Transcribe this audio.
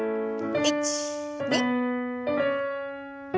１２。